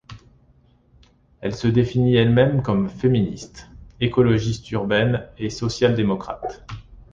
Elle se définit elle-même comme féministe, écologiste urbaine et social-démocrate.